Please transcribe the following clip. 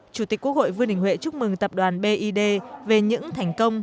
chủ tịch quốc hội vương đình huệ chúc mừng tập đoàn bid về những thành công